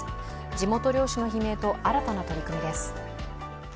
地元漁師の悲鳴と新たな取り組みです。